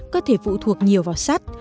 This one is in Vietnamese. cơ thể phụ thuộc nhiều vào sắt